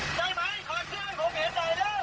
ใช่ไหมขอเชื่อผมเห็นไหนแล้ว